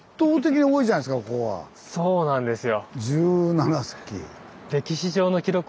そうなんですよ。